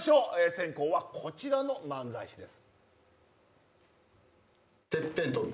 先攻は、こちらの漫才師です。